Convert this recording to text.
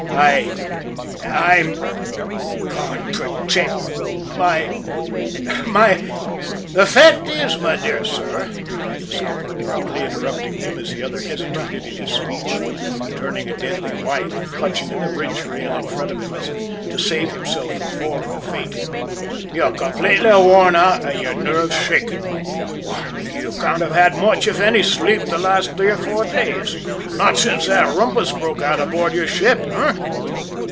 I I'm God protect my my " "The fact is, my dear sir," cried the skipper abruptly, interrupting him as the other hesitated in his speech, turning a deadly white and clutching at the bridge rail in front of him, as if to save himself from falling or fainting. "You're completely worn out and your nerves shaken! Why, you can't have had much, if any, sleep the last three or four days not since that rumpus broke out aboard your ship, eh?"